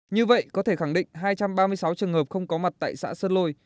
như vậy có thể khẳng định hai trăm ba mươi sáu trường hợp không có mặt tại xã sơn lôi